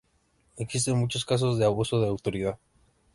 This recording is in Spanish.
Existen muchos casos de abuso de autoridad.